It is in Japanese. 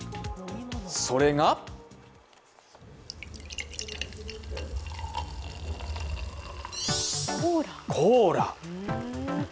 それがコーラ。